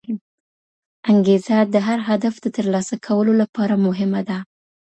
انګېزه د هر هدف د ترلاسه کولو لپاره مهمه ده.